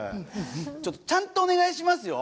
ちょっとちゃんとお願いしますよ。